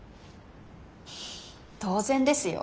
当然ですよ。